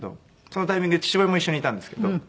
そのタイミングで父親も一緒にいたんですけど。